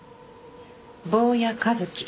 坊谷一樹。